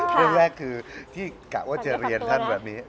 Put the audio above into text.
เรื่องแรกคือที่กะว่าจะเรียนท่านแบบนี้